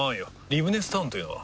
リブネスタウンというのは？